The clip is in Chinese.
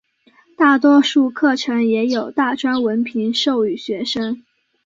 大多数课程也有大专文凭授予学生。